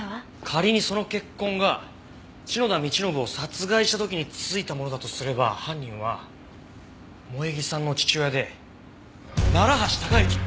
仮にその血痕が篠田道信を殺害した時に付いたものだとすれば犯人は萌衣さんの父親で楢橋高行！